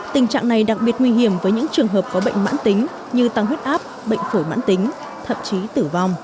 tình trạng này đặc biệt nguy hiểm với những trường hợp có bệnh mãn tính như tăng huyết áp bệnh phổi mãn tính thậm chí tử vong